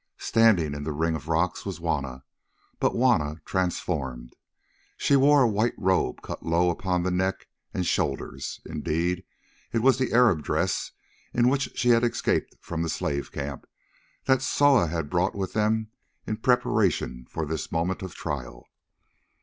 Standing in the ring of rocks was Juanna, but Juanna transformed. She wore a white robe cut low upon the neck and shoulders; indeed, it was the Arab dress in which she had escaped from the slave camp, that Soa had brought with them in preparation for this moment of trial.